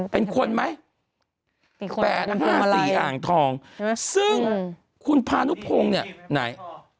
เป็นคน๘๕๔เป็นคนไหม๘๕๔อ่างทองซึ่งคุณพานุโพงเนี่ยไหน